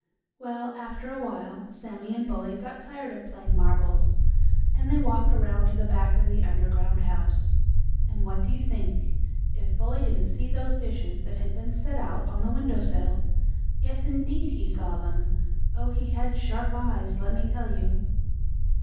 Well, after a while, Sammie and Bully got tired of playing marbles, and they walked around to the back of the underground house. And what do you think? If Bully didn't see those dishes that had been set out on the window sill! Yes indeed, he saw them! Oh, he had sharp eyes, let me tell you!